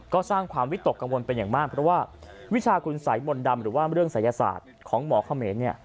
ก็สร้างความวิตกกังวลเป็นอย่างมากเพราะว่าวิชาคุณสัยมนต์ดำหรือว่าเรื่องศัยศาสตร์ของหมอเขมรเนี่ย